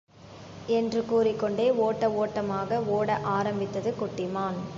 என்று கூறிக்கொண்டே ஓட்ட ஒட்டமாக ஒட ஆரம்பித்தது குட்டி மான்.